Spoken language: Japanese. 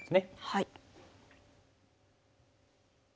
はい。